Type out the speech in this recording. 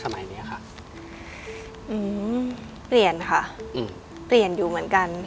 สมัยเนี้ยค่ะอืมเปลี่ยนค่ะอืมเปลี่ยนอยู่เหมือนกัน